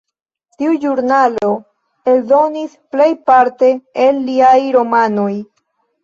Tiu ĵurnalo eldonis plejparte el liaj romanoj.